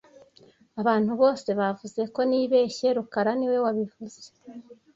Abantu bose bavuze ko nibeshye rukara niwe wabivuze